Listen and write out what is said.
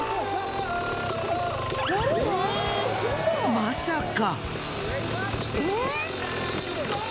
まさか！